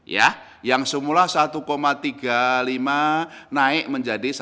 yang semula satu tiga puluh lima naik menjadi satu enam puluh tujuh